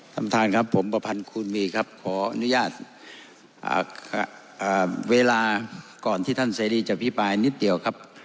ท่านประธานครับผมประพันธ์คูณมีครับขออนุญาตเวลาก่อนที่ท่านเสรีจะพิปรายนิดเดียวครับ